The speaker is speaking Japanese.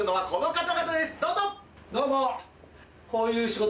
どうも。